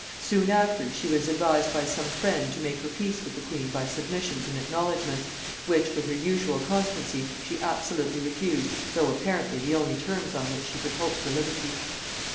Soon after, she was advised by some friend to make her peace with the queen by submissions and acknowledgements, which, with her usual constancy, she absolutely refused, though apparently the only terms on which she could hope for liberty.